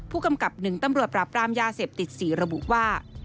ผู้กำกับหนึ่งตำรวจประปรามยาเสพติดศีรบุว่า